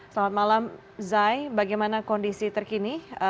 selamat malam zay bagaimana kondisi terkini